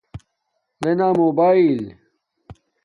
لےنا موباݵل